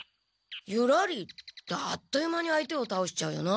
「ユラリ」ってあっという間に相手をたおしちゃうよな。